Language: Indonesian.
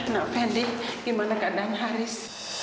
nak fendi gimana keadaan aries